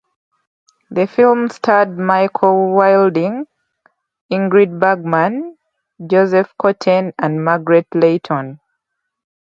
The film starred Michael Wilding, Ingrid Bergman, Joseph Cotten, and Margaret Leighton.